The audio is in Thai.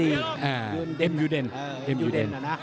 เอ่อเอมยูเดนเอมยูเดนนะ